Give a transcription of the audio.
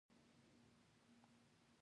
د ښځو د حقونو په اړه معلومات پکي و